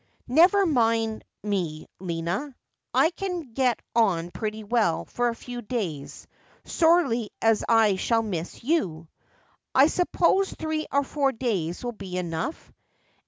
' Never mind me, Lina. I can get on pretty well for a few days, sorely as I shall miss you. I suppose three or four days will be enough